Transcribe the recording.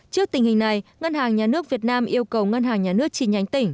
trước tình hình này ngân hàng nhà nước việt nam yêu cầu ngân hàng nhà nước chi nhánh tỉnh